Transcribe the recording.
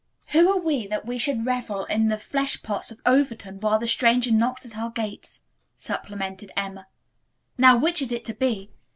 "Who are we that we should revel in the fleshpots of Overton while the stranger knocks at our gates?" supplemented Emma. "Now which is it to be?